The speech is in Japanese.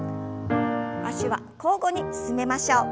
脚は交互に進めましょう。